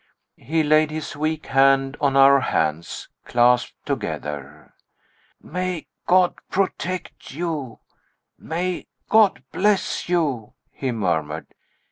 He laid his weak hand on our hands, clasped together. "May God protect you! may God bless you!" he murmured.